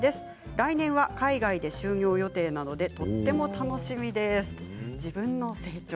来年は海外で就業予定なので楽しみです。